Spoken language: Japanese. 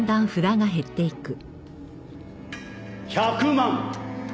１００万。